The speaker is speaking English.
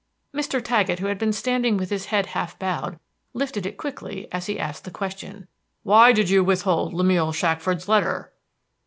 Mr. Taggett, who had been standing with his head half bowed, lifted it quickly as he asked the question, "Why did you withhold Lemuel Shackford's letter?"